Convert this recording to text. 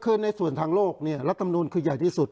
คือในส่วนทางโลกเนี่ยรัฐมนูลคือใหญ่ที่สุด